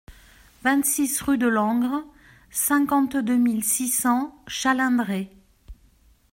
vingt-six rue de Langres, cinquante-deux mille six cents Chalindrey